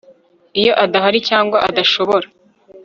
iyo adahari cyangwa adashobora